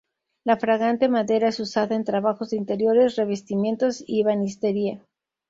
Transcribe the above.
La fragante madera es usada en trabajos de interiores, revestimientos y ebanistería.